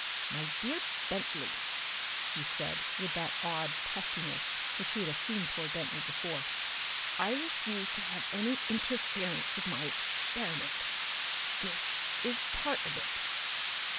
"My dear Bentley," he said with that odd testiness which he had assumed toward Bentley before, "I refuse to have any interference with my experiment. This is part of it."